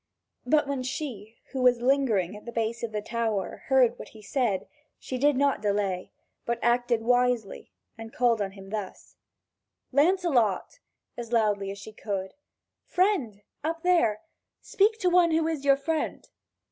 But when she, who was lingering at the base of the tower, heard what he said, she did not delay, but acted wisely and called him thus: "Lancelot," as loudly as she could; "friend, up there, speak to one who is your friend!"